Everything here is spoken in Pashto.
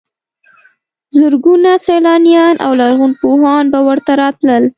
زرګونه سیلانیان او لرغونپوهان به ورته راتلل.